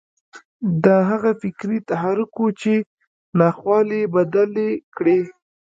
دا هغه فکري تحرک و چې ناخوالې يې بدلې کړې.